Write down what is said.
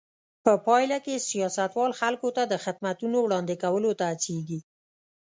په پایله کې سیاستوال خلکو ته د خدمتونو وړاندې کولو ته هڅېږي.